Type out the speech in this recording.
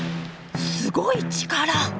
すごい力！